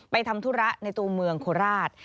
ทำธุระในตัวเมืองโคราช